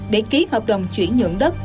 để ký hợp đồng chuyển nhượng đất